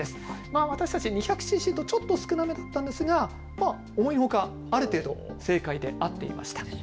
私たち２００ｃｃとちょっと少なめだったんですが、思いのほかある程度、正解で合っていました。